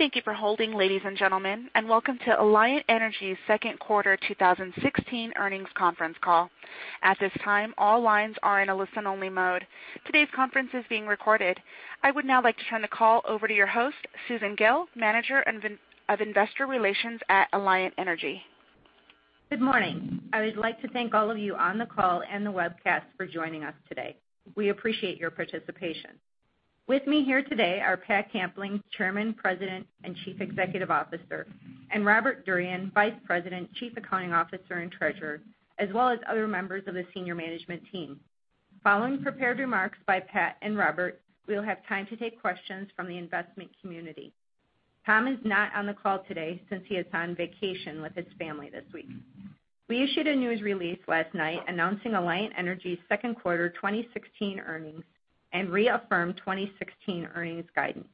Thank you for holding, ladies and gentlemen, and welcome to Alliant Energy's second quarter 2016 earnings conference call. At this time, all lines are in a listen-only mode. Today's conference is being recorded. I would now like to turn the call over to your host, Susan Gille, Manager of Investor Relations at Alliant Energy. Good morning. I would like to thank all of you on the call and the webcast for joining us today. We appreciate your participation. With me here today are Pat Kampling, Chairman, President, and Chief Executive Officer, and Robert Durian, Vice President, Chief Accounting Officer, and Treasurer, as well as other members of the senior management team. Following prepared remarks by Pat and Robert, we'll have time to take questions from the investment community. Tom is not on the call today since he is on vacation with his family this week. We issued a news release last night announcing Alliant Energy's second quarter 2016 earnings and reaffirmed 2016 earnings guidance.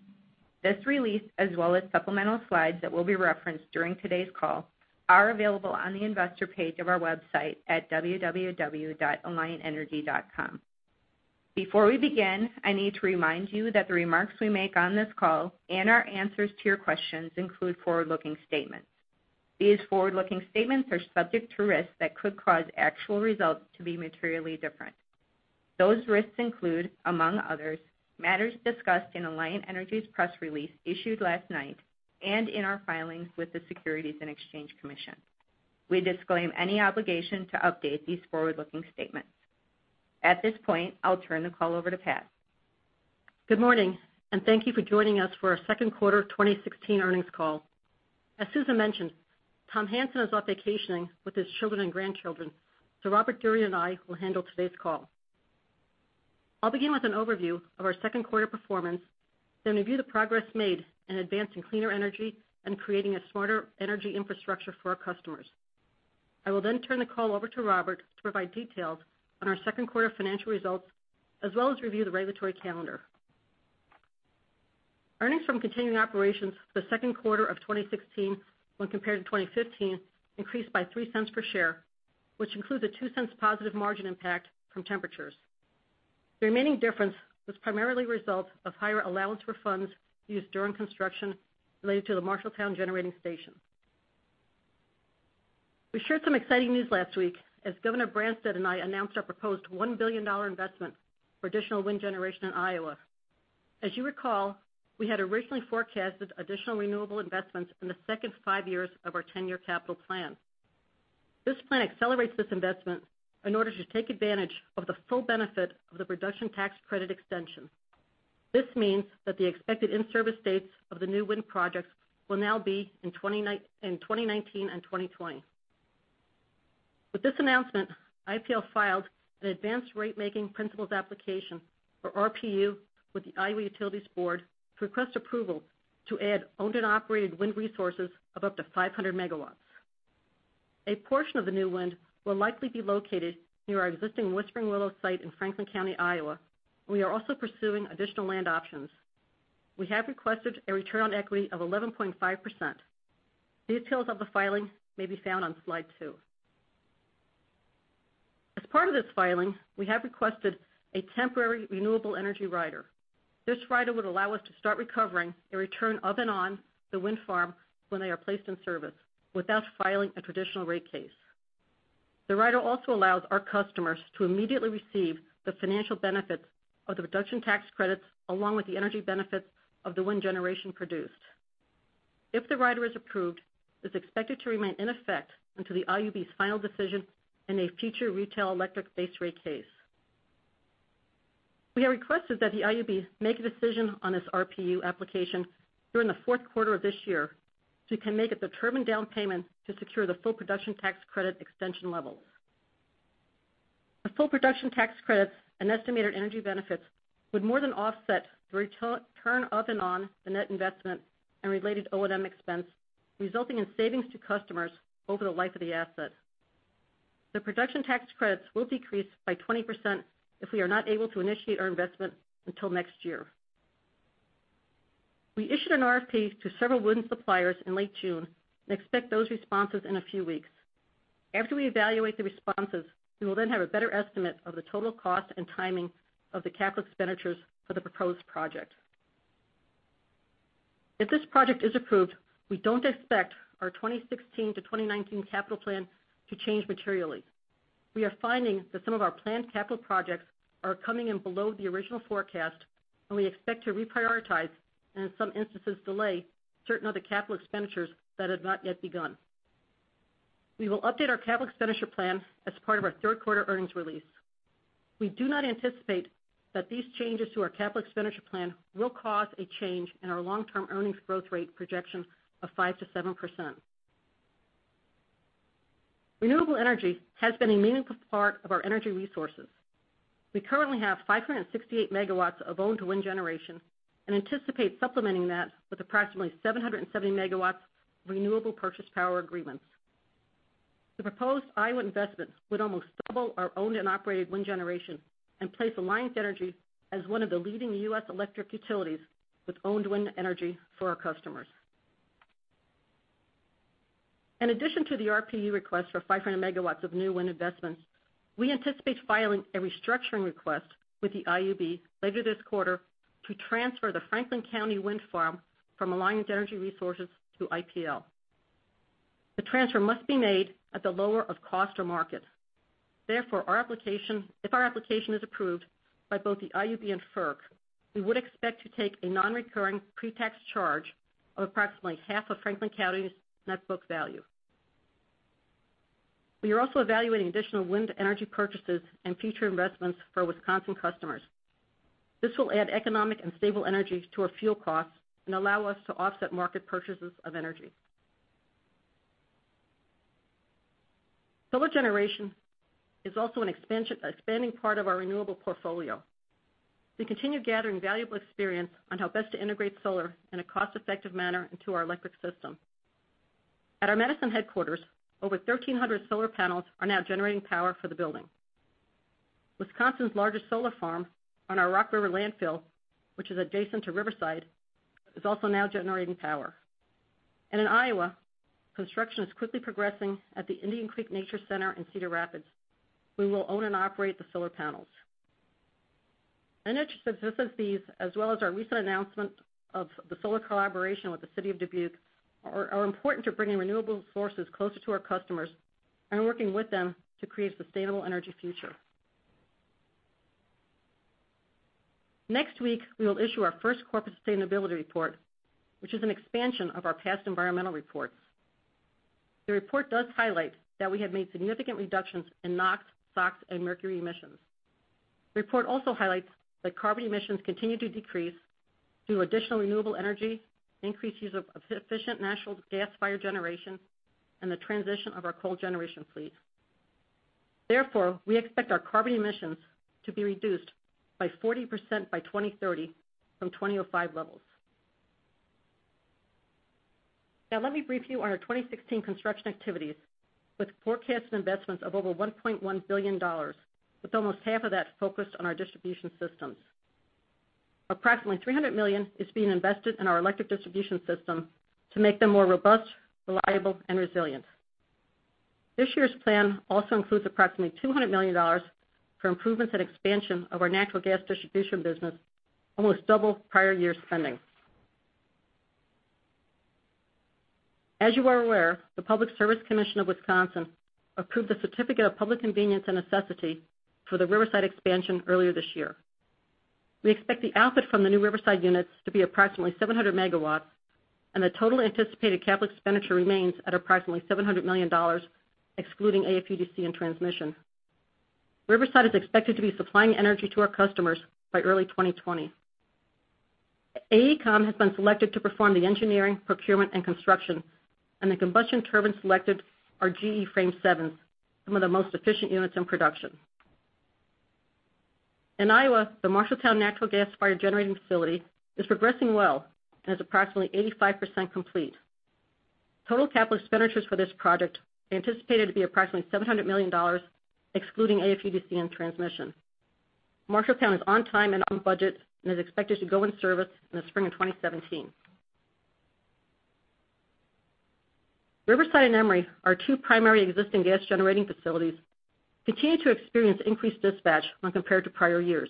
This release, as well as supplemental slides that will be referenced during today's call, are available on the investor page of our website at www.alliantenergy.com. Before we begin, I need to remind you that the remarks we make on this call and our answers to your questions include forward-looking statements. These forward-looking statements are subject to risks that could cause actual results to be materially different. Those risks include, among others, matters discussed in Alliant Energy's press release issued last night and in our filings with the Securities and Exchange Commission. We disclaim any obligation to update these forward-looking statements. At this point, I'll turn the call over to Pat. Good morning. Thank you for joining us for our second quarter 2016 earnings call. As Susan mentioned, Tom Hanson is off vacationing with his children and grandchildren. Robert Durian and I will handle today's call. I'll begin with an overview of our second quarter performance. Review the progress made in advancing cleaner energy and creating a smarter energy infrastructure for our customers. I will then turn the call over to Robert to provide details on our second quarter financial results, as well as review the regulatory calendar. Earnings from continuing operations for the second quarter of 2016 when compared to 2015 increased by $0.03 per share, which includes a $0.02 positive margin impact from temperatures. The remaining difference was primarily a result of higher allowance refunds used during construction related to the Marshalltown Generating Station. We shared some exciting news last week as Governor Branstad and I announced our proposed $1 billion investment for additional wind generation in Iowa. As you recall, we had originally forecasted additional renewable investments in the second five years of our 10-year capital plan. This plan accelerates this investment in order to take advantage of the full benefit of the production tax credit extension. This means that the expected in-service dates of the new wind projects will now be in 2019 and 2020. With this announcement, IPL filed an advanced ratemaking principles application for RPU with the Iowa Utilities Board to request approval to add owned and operated wind resources of up to 500 MW. A portion of the new wind will likely be located near our existing Whispering Willow site in Franklin County, Iowa. We are also pursuing additional land options. We have requested a return on equity of 11.5%. Details of the filing may be found on slide two. As part of this filing, we have requested a temporary renewable energy rider. This rider would allow us to start recovering a return of and on the wind farm when they are placed in service without filing a traditional rate case. The rider also allows our customers to immediately receive the financial benefits of the production tax credits along with the energy benefits of the wind generation produced. If the rider is approved, it's expected to remain in effect until the IUB's final decision in a future retail electric base rate case. We have requested that the IUB make a decision on this RPU application during the fourth quarter of this year so we can make a determined down payment to secure the full production tax credit extension levels. The full production tax credits and estimated energy benefits would more than offset the return of and on the net investment and related O&M expense, resulting in savings to customers over the life of the asset. The production tax credits will decrease by 20% if we are not able to initiate our investment until next year. We issued an RFP to several wind suppliers in late June and expect those responses in a few weeks. After we evaluate the responses, we will then have a better estimate of the total cost and timing of the capital expenditures for the proposed project. If this project is approved, we don't expect our 2016-2019 capital plan to change materially. We are finding that some of our planned capital projects are coming in below the original forecast. We expect to reprioritize and in some instances delay certain of the capital expenditures that have not yet begun. We will update our capital expenditure plan as part of our third-quarter earnings release. We do not anticipate that these changes to our capital expenditure plan will cause a change in our long-term earnings growth rate projection of 5%-7%. Renewable energy has been a meaningful part of our energy resources. We currently have 568 MW of owned wind generation and anticipate supplementing that with approximately 770 MW of renewable purchase power agreements. The proposed Iowa investments would almost double our owned and operated wind generation and place Alliant Energy as one of the leading U.S. electric utilities with owned wind energy for our customers. In addition to the RPU request for 500 MW of new wind investments, we anticipate filing a restructuring request with the IUB later this quarter to transfer the Franklin County Wind Farm from Alliant Energy Resources to IPL. The transfer must be made at the lower of cost or market. Therefore, if our application is approved by both the IUB and FERC, we would expect to take a non-recurring pre-tax charge of approximately half of Franklin County's net book value. We are also evaluating additional wind energy purchases and future investments for Wisconsin customers. This will add economic and stable energy to our fuel costs and allow us to offset market purchases of energy. Solar generation is also an expanding part of our renewable portfolio. We continue gathering valuable experience on how best to integrate solar in a cost-effective manner into our electric system. At our Madison headquarters, over 1,300 solar panels are now generating power for the building. Wisconsin's largest solar farm on our Rock River landfill, which is adjacent to Riverside, is also now generating power. In Iowa, construction is quickly progressing at the Indian Creek Nature Center in Cedar Rapids. We will own and operate the solar panels. Initiatives such as these, as well as our recent announcement of the solar collaboration with the city of Dubuque, are important to bringing renewable sources closer to our customers and are working with them to create a sustainable energy future. Next week, we will issue our first corporate sustainability report, which is an expansion of our past environmental reports. The report does highlight that we have made significant reductions in NOx, SOx, and mercury emissions. The report also highlights that carbon emissions continue to decrease through additional renewable energy, increased use of efficient natural gas-fired generation, and the transition of our coal generation fleet. Therefore, we expect our carbon emissions to be reduced by 40% by 2030 from 2005 levels. Now let me brief you on our 2016 construction activities with forecasted investments of over $1.1 billion, with almost half of that focused on our distribution systems. Approximately $300 million is being invested in our electric distribution system to make them more robust, reliable, and resilient. This year's plan also includes approximately $200 million for improvements and expansion of our natural gas distribution business, almost double prior year's spending. As you are aware, the Public Service Commission of Wisconsin approved the Certificate of Public Convenience and Necessity for the Riverside expansion earlier this year. We expect the output from the new Riverside units to be approximately 700 MW, and the total anticipated capital expenditure remains at approximately $700 million, excluding AFUDC and transmission. Riverside is expected to be supplying energy to our customers by early 2020. AECOM has been selected to perform the engineering, procurement, and construction, and the combustion turbines selected are GE Frame 7s, some of the most efficient units in production. In Iowa, the Marshalltown Natural Gas Fired generating facility is progressing well and is approximately 85% complete. Total capital expenditures for this project are anticipated to be approximately $700 million, excluding AFUDC and transmission. Marshalltown is on time and on budget and is expected to go in service in the spring of 2017. Riverside and Emery, our two primary existing gas-generating facilities, continue to experience increased dispatch when compared to prior years.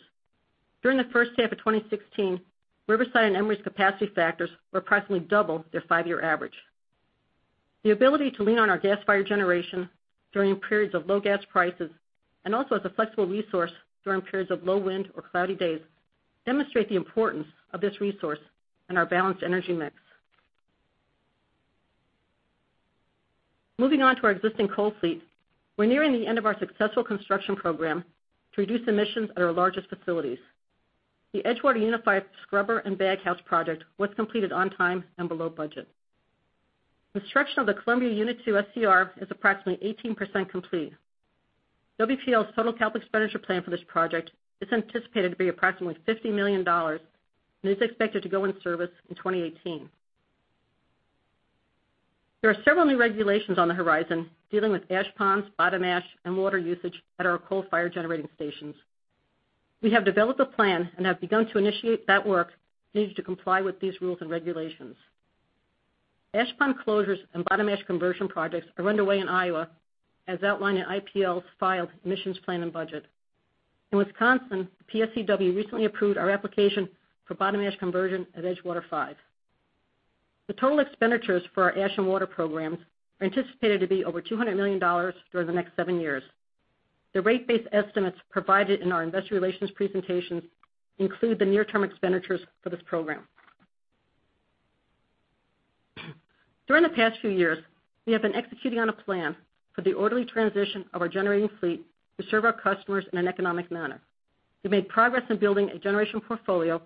During the first half of 2016, Riverside and Emery's capacity factors were approximately double their five-year average. The ability to lean on our gas-fired generation during periods of low gas prices, and also as a flexible resource during periods of low wind or cloudy days, demonstrate the importance of this resource in our balanced energy mix. Moving on to our existing coal fleet, we're nearing the end of our successful construction program to reduce emissions at our largest facilities. The Edgewater Unified Scrubber and Baghouse project was completed on time and below budget. Construction of the Columbia Unit 2 SCR is approximately 18% complete. WPL's total capital expenditure plan for this project is anticipated to be approximately $50 million and is expected to go in service in 2018. There are several new regulations on the horizon dealing with ash ponds, bottom ash, and water usage at our coal-fired generating stations. We have developed a plan and have begun to initiate that work needed to comply with these rules and regulations. Ash pond closures and bottom ash conversion projects are underway in Iowa, as outlined in IPL's filed emissions plan and budget. In Wisconsin, PSCW recently approved our application for bottom ash conversion at Edgewater 5. The total expenditures for our ash and water programs are anticipated to be over $200 million during the next seven years. The rate-based estimates provided in our investor relations presentations include the near-term expenditures for this program. During the past few years, we have been executing on a plan for the orderly transition of our generating fleet to serve our customers in an economic manner. We've made progress in building a generation portfolio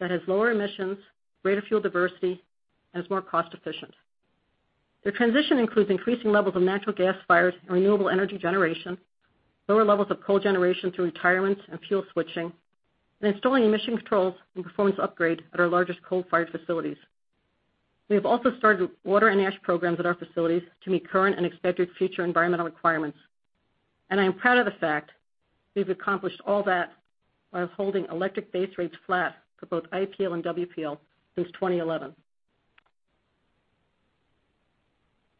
that has lower emissions, greater fuel diversity, and is more cost-efficient. The transition includes increasing levels of natural gas-fired and renewable energy generation, lower levels of coal generation through retirements and fuel switching, and installing emission controls and performance upgrades at our largest coal-fired facilities. We have also started water and ash programs at our facilities to meet current and expected future environmental requirements. I am proud of the fact we've accomplished all that while holding electric base rates flat for both IPL and WPL since 2011.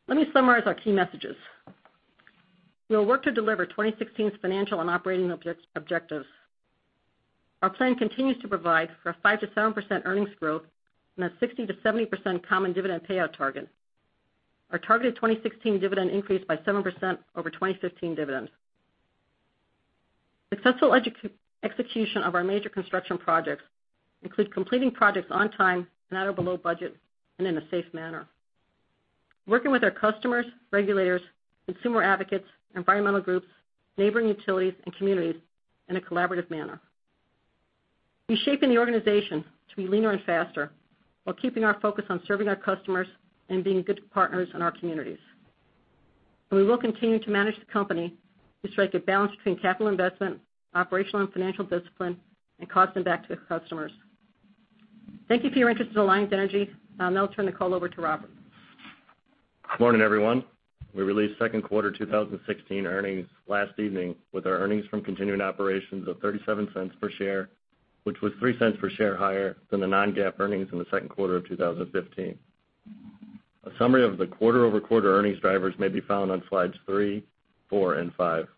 Let me summarize our key messages. We will work to deliver 2016's financial and operating objectives. Our plan continues to provide for a 5%-7% earnings growth and a 60%-70% common dividend payout target. Our targeted 2016 dividend increased by 7% over 2015 dividends. Successful execution of our major construction projects include completing projects on time and at or below budget, and in a safe manner. Working with our customers, regulators, consumer advocates, environmental groups, neighboring utilities, and communities in a collaborative manner. We're shaping the organization to be leaner and faster while keeping our focus on serving our customers and being good partners in our communities. We will continue to manage the company to strike a balance between capital investment, operational and financial discipline, and costs impact to the customers. Thank you for your interest in Alliant Energy. I'll now turn the call over to Robert. Morning, everyone. We released second quarter 2016 earnings last evening with our earnings from continuing operations of $0.37 per share, which was $0.03 per share higher than the non-GAAP earnings in the second quarter of 2015. A summary of the quarter-over-quarter earnings drivers may be found on slides three, four, and five.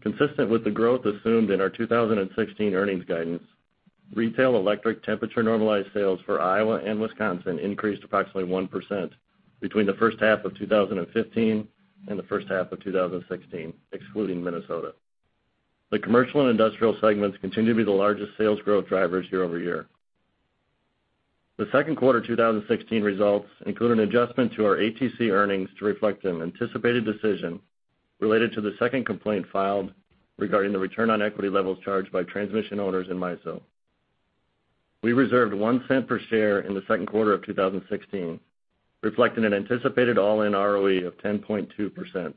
Consistent with the growth assumed in our 2016 earnings guidance, retail electric temperature normalized sales for Iowa and Wisconsin increased approximately 1% between the first half of 2015 and the first half of 2016, excluding Minnesota. The commercial and industrial segments continue to be the largest sales growth drivers year-over-year. The second quarter 2016 results include an adjustment to our ATC earnings to reflect an anticipated decision related to the second complaint filed regarding the return on equity levels charged by transmission owners in MISO. We reserved $0.01 per share in the second quarter of 2016, reflecting an anticipated all-in ROE of 10.2%,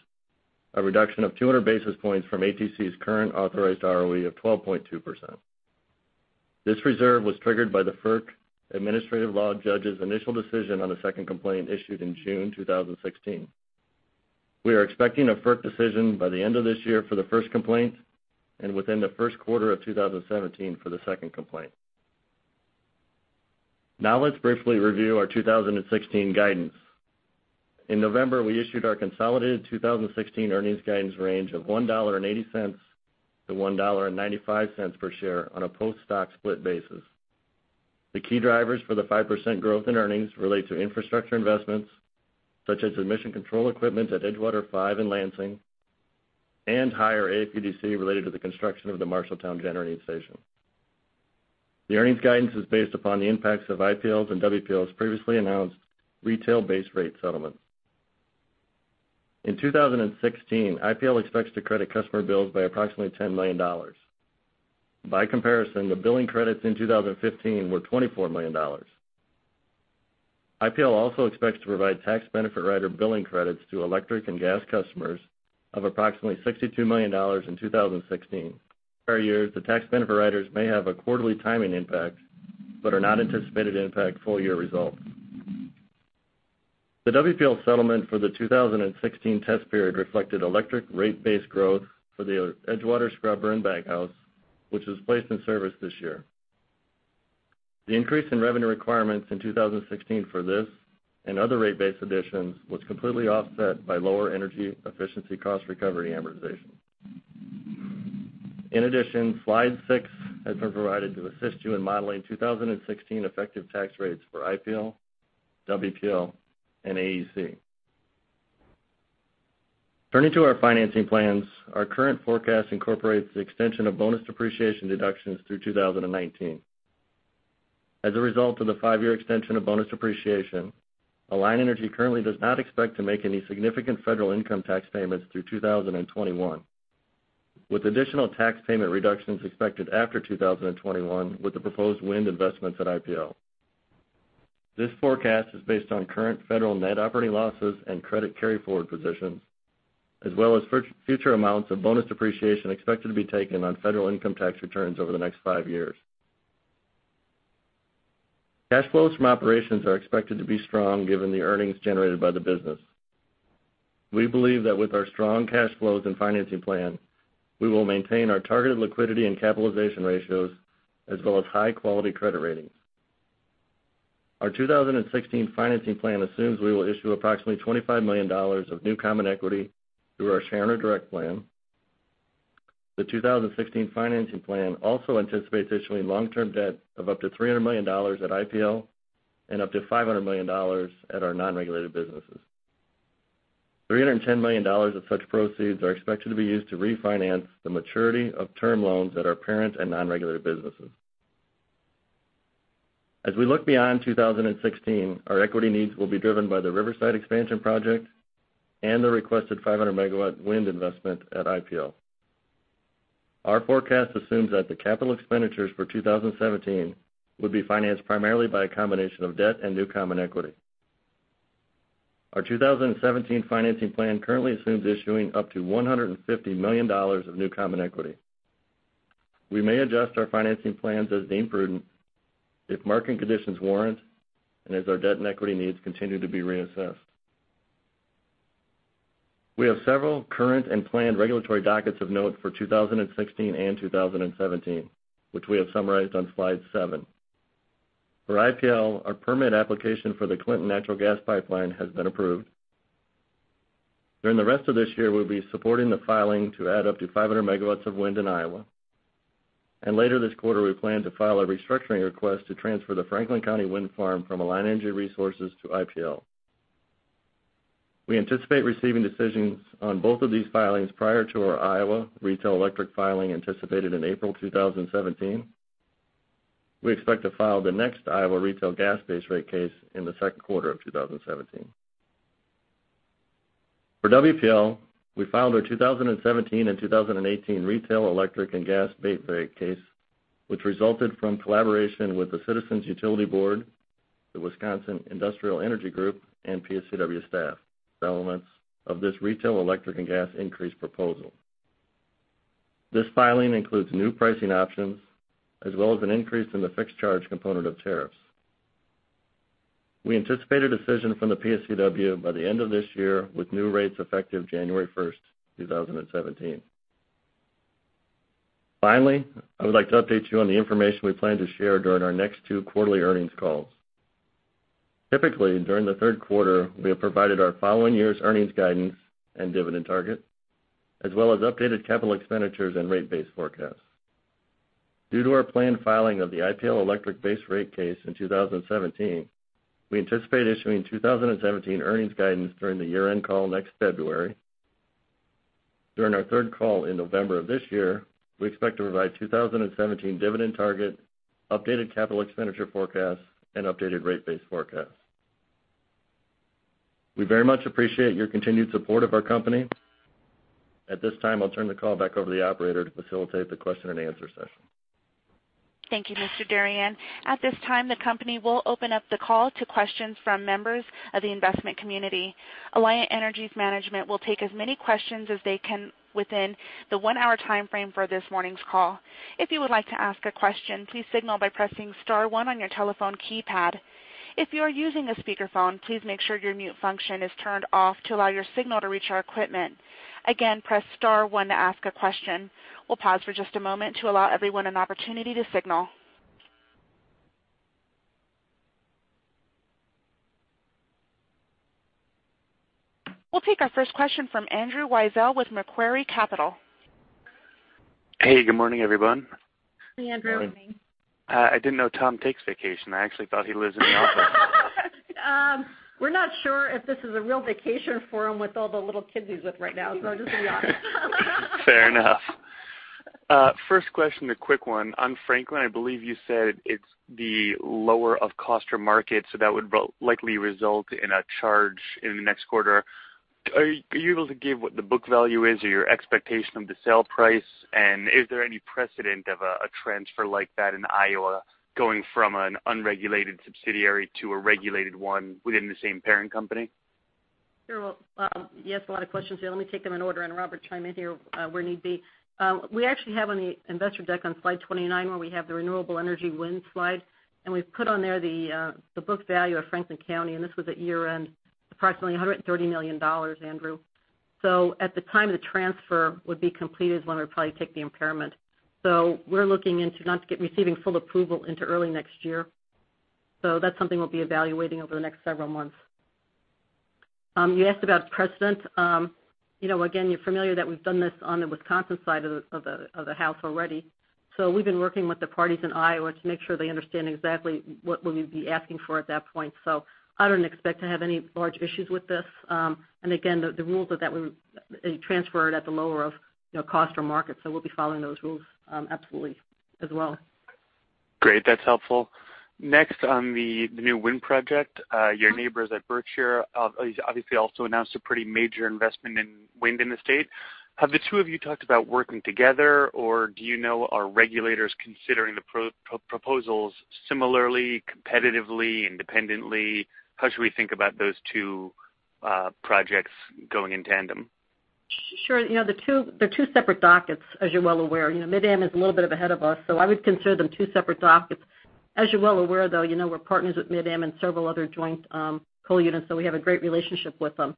a reduction of 200 basis points from ATC's current authorized ROE of 12.2%. This reserve was triggered by the FERC Administrative Law Judge's initial decision on the second complaint issued in June 2016. We are expecting a FERC decision by the end of this year for the first complaint and within the first quarter of 2017 for the second complaint. Let's briefly review our 2016 guidance. In November, we issued our consolidated 2016 earnings guidance range of $1.80 to $1.95 per share on a post-stock split basis. The key drivers for the 5% growth in earnings relate to infrastructure investments such as emission control equipment at Edgewater 5 in Lansing and higher AFUDC related to the construction of the Marshalltown Generating Station. The earnings guidance is based upon the impacts of IPL's and WPL's previously announced retail base rate settlement. In 2016, IPL expects to credit customer bills by approximately $10 million. By comparison, the billing credits in 2015 were $24 million. IPL also expects to provide Tax Benefit Rider billing credits to electric and gas customers of approximately $62 million in 2016. Per year, the Tax Benefit Riders may have a quarterly timing impact but are not anticipated to impact full-year results. The WPL settlement for the 2016 test period reflected electric rate base growth for the Edgewater Scrubber and Baghouse, which was placed in service this year. The increase in revenue requirements in 2016 for this and other rate base additions was completely offset by lower energy efficiency cost recovery amortization. In addition, slide six has been provided to assist you in modeling 2016 effective tax rates for IPL, WPL, and AEC. Turning to our financing plans, our current forecast incorporates the extension of bonus depreciation deductions through 2019. As a result of the five-year extension of bonus depreciation, Alliant Energy currently does not expect to make any significant federal income tax payments through 2021, with additional tax payment reductions expected after 2021 with the proposed wind investments at IPL. This forecast is based on current federal net operating losses and credit carryforward positions, as well as future amounts of bonus depreciation expected to be taken on federal income tax returns over the next five years. Cash flows from operations are expected to be strong given the earnings generated by the business. We believe that with our strong cash flows and financing plan, we will maintain our targeted liquidity and capitalization ratios, as well as high-quality credit ratings. Our 2016 financing plan assumes we will issue approximately $25 million of new common equity through our Shareowner Direct Plan. The 2016 financing plan also anticipates issuing long-term debt of up to $300 million at IPL and up to $500 million at our non-regulated businesses. $310 million of such proceeds are expected to be used to refinance the maturity of term loans at our parent and non-regulated businesses. As we look beyond 2016, our equity needs will be driven by the Riverside expansion project and the requested 500-megawatt wind investment at IPL. Our forecast assumes that the capital expenditures for 2017 would be financed primarily by a combination of debt and new common equity. Our 2017 financing plan currently assumes issuing up to $150 million of new common equity. We may adjust our financing plans as deemed prudent if market conditions warrant and as our debt and equity needs continue to be reassessed. We have several current and planned regulatory dockets of note for 2016 and 2017, which we have summarized on slide seven. For IPL, our permit application for the Clinton Natural Gas Pipeline has been approved. During the rest of this year, we will be supporting the filing to add up to 500 megawatts of wind in Iowa. Later this quarter, we plan to file a restructuring request to transfer the Franklin County Wind Farm from Alliant Energy Resources to IPL. We anticipate receiving decisions on both of these filings prior to our Iowa retail electric filing anticipated in April 2017. We expect to file the next Iowa retail gas base rate case in the second quarter of 2017. For WPL, we filed our 2017 and 2018 retail electric and gas base rate case, which resulted from collaboration with the Citizens Utility Board, the Wisconsin Industrial Energy Group, and PSCW staff, developments of this retail electric and gas increase proposal. This filing includes new pricing options, as well as an increase in the fixed charge component of tariffs. We anticipate a decision from the PSCW by the end of this year, with new rates effective January 1st, 2017. Finally, I would like to update you on the information we plan to share during our next two quarterly earnings calls. Typically, during the third quarter, we have provided our following year's earnings guidance and dividend target, as well as updated capital expenditures and rate base forecasts. Due to our planned filing of the IPL electric base rate case in 2017, we anticipate issuing 2017 earnings guidance during the year-end call next February. During our third call in November of this year, we expect to provide 2017 dividend target, updated capital expenditure forecast, and updated rate base forecast. We very much appreciate your continued support of our company. At this time, I will turn the call back over to the operator to facilitate the question and answer session. Thank you, Mr. Durian. At this time, the company will open up the call to questions from members of the investment community. Alliant Energy's management will take as many questions as they can within the 1-hour timeframe for this morning's call. If you would like to ask a question, please signal by pressing star one on your telephone keypad. If you are using a speakerphone, please make sure your mute function is turned off to allow your signal to reach our equipment. Again, press star one to ask a question. We'll pause for just a moment to allow everyone an opportunity to signal. We'll take our first question from Andrew Weisel with Macquarie Capital. Hey, good morning, everyone. Good morning, Andrew. I didn't know Tom takes vacation. I actually thought he lives in the office. We're not sure if this is a real vacation for him with all the little kids he's with right now. I'll just be honest. Fair enough. First question, a quick one. On Franklin, I believe you said it's the lower of cost or market. That would likely result in a charge in the next quarter. Are you able to give what the book value is or your expectation of the sale price? Is there any precedent of a transfer like that in Iowa, going from an unregulated subsidiary to a regulated one within the same parent company? Sure. You ask a lot of questions there. Let me take them in order. Robert, chime in here where need be. We actually have on the investor deck on slide 29, where we have the renewable energy wind slide. We've put on there the book value of Franklin County, and this was at year-end, approximately $130 million, Andrew. At the time the transfer would be completed is when we'd probably take the impairment. We're looking into not receiving full approval into early next year. That's something we'll be evaluating over the next several months. You asked about precedent. Again, you're familiar that we've done this on the Wisconsin side of the house already. We've been working with the parties in Iowa to make sure they understand exactly what we'll be asking for at that point. I don't expect to have any large issues with this. Again, the rules are that we transfer it at the lower of cost or market. We'll be following those rules absolutely as well. Great. That's helpful. On the new wind project. Your neighbors at Berkshire obviously also announced a pretty major investment in wind in the state. Have the two of you talked about working together, or do you know, are regulators considering the proposals similarly, competitively, independently? How should we think about those two projects going in tandem? Sure. They're two separate dockets, as you're well aware. MidAmerican is a little bit ahead of us. I would consider them two separate dockets. As you're well aware, though, we're partners with MidAmerican and several other joint coal units. We have a great relationship with them.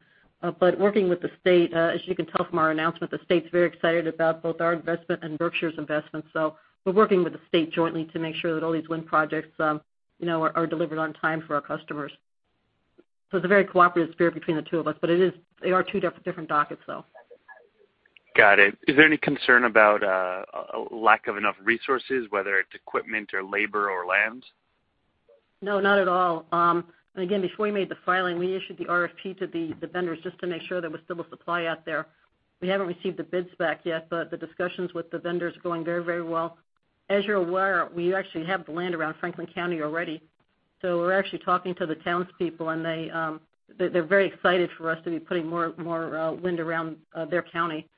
Working with the state, as you can tell from our announcement, the state's very excited about both our investment and Berkshire's investment. We're working with the state jointly to make sure that all these wind projects are delivered on time for our customers. It's a very cooperative spirit between the two of us. They are two different dockets, though. Got it. Is there any concern about a lack of enough resources, whether it's equipment or labor or lands? No, not at all. Again, before we made the filing, we issued the RFP to the vendors just to make sure there was still a supply out there. We haven't received the bids back yet. The discussions with the vendors are going very well. As you're aware, we actually have the land around Franklin County already. We're actually talking to the townspeople, and they're very excited for us to be putting more wind around their county.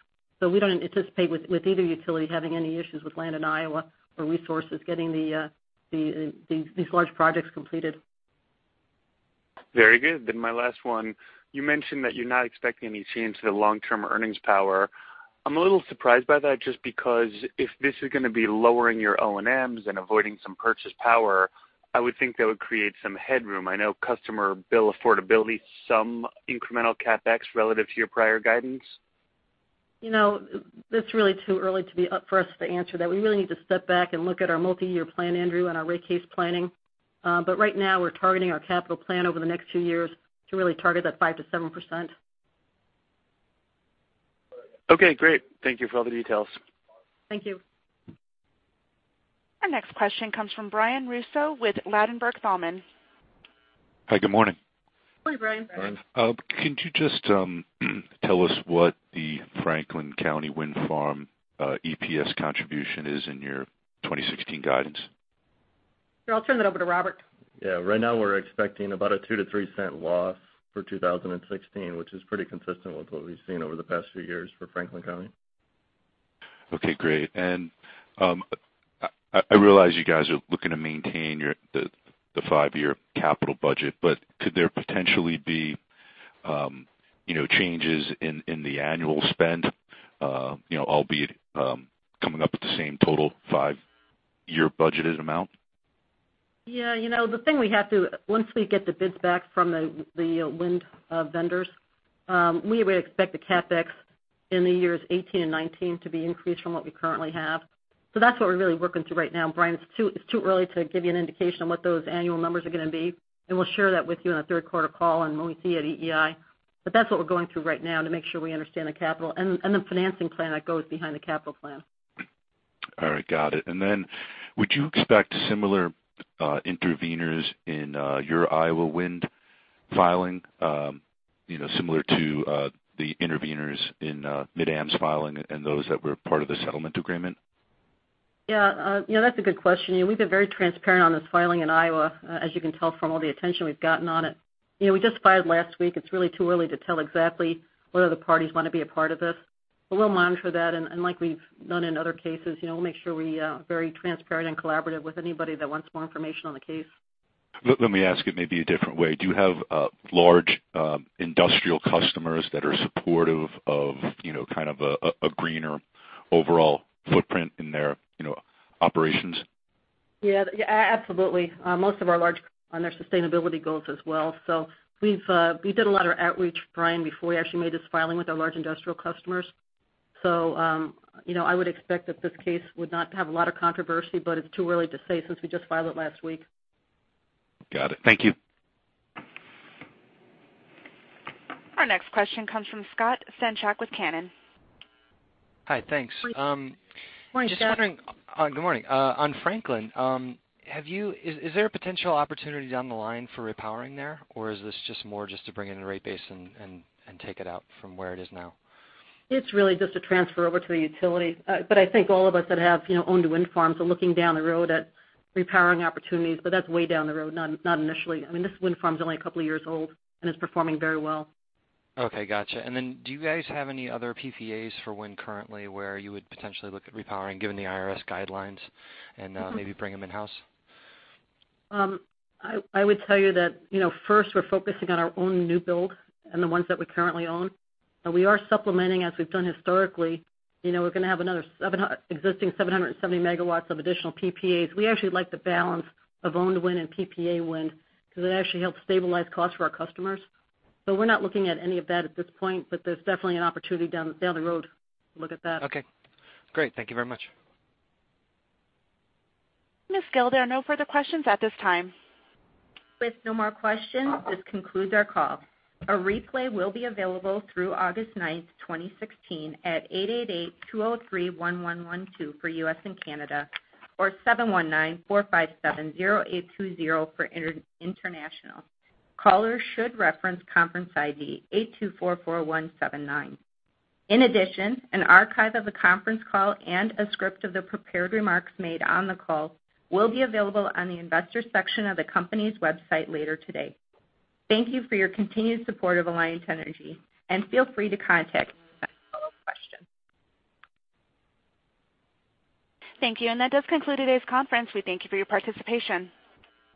We don't anticipate with either utility having any issues with land in Iowa or resources getting these large projects completed. Very good. My last one, you mentioned that you're not expecting any change to the long-term earnings power. I'm a little surprised by that, just because if this is going to be lowering your O&M and avoiding some purchase power, I would think that would create some headroom. I know customer bill affordability, some incremental CapEx relative to your prior guidance. It's really too early for us to answer that. We really need to step back and look at our multi-year plan, Andrew, and our rate case planning. Right now we're targeting our capital plan over the next two years to really target that 5%-7%. Okay, great. Thank you for all the details. Thank you. Our next question comes from Brian Russo with Ladenburg Thalmann. Hi, good morning. Good morning, Brian. Can you just tell us what the Franklin County Wind Farm EPS contribution is in your 2016 guidance? Sure. I'll turn that over to Robert. Yeah. Right now we're expecting about a $0.02-$0.03 loss for 2016, which is pretty consistent with what we've seen over the past few years for Franklin County. Okay, great. I realize you guys are looking to maintain the five-year capital budget, but could there potentially be changes in the annual spend, albeit, coming up with the same total five-year budgeted amount? Yeah. Once we get the bids back from the wind vendors, we would expect the CapEx in the years 2018 and 2019 to be increased from what we currently have. That's what we're really working through right now, Brian. It's too early to give you an indication on what those annual numbers are going to be, and we'll share that with you on the third quarter call and when we see you at EEI. That's what we're going through right now to make sure we understand the capital and the financing plan that goes behind the capital plan. All right. Got it. Then would you expect similar interveners in your Iowa wind filing, similar to the interveners in MidAmerican's filing and those that were part of the settlement agreement? Yeah. That's a good question. We've been very transparent on this filing in Iowa, as you can tell from all the attention we've gotten on it. We just filed last week. It's really too early to tell exactly whether the parties want to be a part of this, but we'll monitor that, and like we've done in other cases, we'll make sure we are very transparent and collaborative with anybody that wants more information on the case. Let me ask it maybe a different way. Do you have large industrial customers that are supportive of a greener overall footprint in their operations? Yeah. Absolutely. Most of our large customers are on their sustainability goals as well. We did a lot of outreach, Brian, before we actually made this filing with our large industrial customers. I would expect that this case would not have a lot of controversy, but it's too early to say since we just filed it last week. Got it. Thank you. Our next question comes from Scott Senchack with Canaccord. Hi, thanks. Morning, Scott. Good morning. On Franklin, is there a potential opportunity down the line for repowering there? Is this just more to bring in the rate base and take it out from where it is now? It's really just a transfer over to the utility. I think all of us that have owned wind farms are looking down the road at repowering opportunities, but that's way down the road, not initially. This wind farm's only a couple of years old and is performing very well. Okay, got you. Do you guys have any other PPAs for wind currently where you would potentially look at repowering given the IRS guidelines and maybe bring them in-house? I would tell you that first we're focusing on our own new build and the ones that we currently own. We are supplementing, as we've done historically. We're going to have another existing 770 megawatts of additional PPAs. We actually like the balance of owned wind and PPA wind because it actually helps stabilize costs for our customers. We're not looking at any of that at this point, there's definitely an opportunity down the road to look at that. Okay. Great. Thank you very much. Ms. Gille, there are no further questions at this time. With no more questions, this concludes our call. A replay will be available through August 9th, 2016, at 888-203-1112 for U.S. and Canada or 719-457-0820 for international. Callers should reference conference ID 8244179. In addition, an archive of the conference call and a script of the prepared remarks made on the call will be available on the investor section of the company's website later today. Thank you for your continued support of Alliant Energy, and feel free to contact us with any follow-up questions. Thank you. That does conclude today's conference. We thank you for your participation.